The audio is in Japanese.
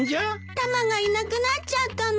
タマがいなくなっちゃったの。